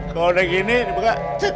kalau udah gini dibuka